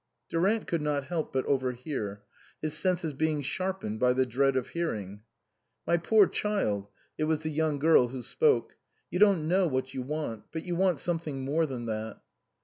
Durant could not help but overhear, his senses being sharpened by the dread of hearing. " My poor child " (it was the young girl who spoke), " you don't know what you want ; but you want something more than that."